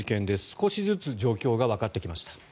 少しずつ状況がわかってきました。